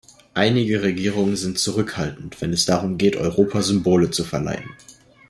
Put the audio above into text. Einige Regierungen sind zurückhaltend, wenn es darum geht Europa Symbole zu verleihen.